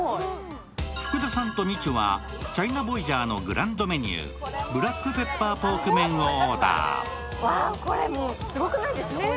福田さんとみちゅはチャイナボイジャーのグランドメニュー、ブラックペッパーポーク麺をオーダー。